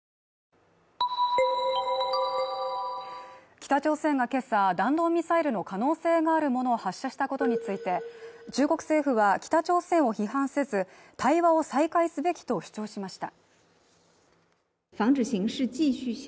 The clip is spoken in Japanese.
北朝鮮がけさ弾道ミサイルの可能性があるものを発射したことについて中国政府は北朝鮮を批判せず、対話を再開すべきと主張しました。